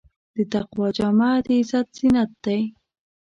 د تقوی جامه د عزت زینت دی.